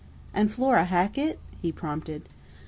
"And Flora Hackett ?" he prompted.